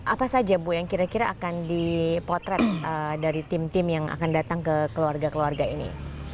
apa saja bu yang kira kira akan dipotret dari tim tim yang akan datang ke keluarga keluarga ini